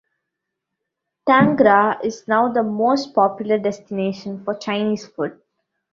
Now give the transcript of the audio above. Tangra is now the most popular destination for Chinese food.